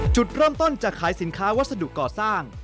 จุดเริ่มต้นจากขายสินค้าวัสดุก่อสร้าง